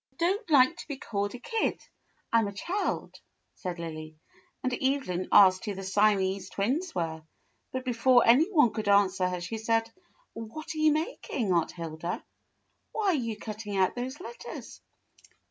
84 THE BLUE AUNT "I don't like to be called a kid, I'm a child," said Lily; and Evelyn asked who the Siamese Twins were; but before any one could answer her she said, "What are you making. Aunt Hilda? Why are you cutting out those letters?"